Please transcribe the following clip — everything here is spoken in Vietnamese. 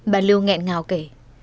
bà lưu nghẹn ngào kể